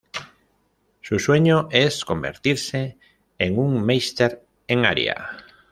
Su sueño es convertirse en un Meister en Aria.